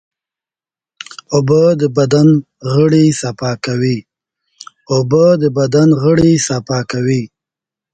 اوبه د بدن غړي صفا کوي.